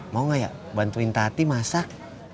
mau gak ya bantuin tati masak